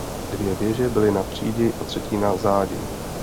Dvě věže byly na přídi a třetí na zádi.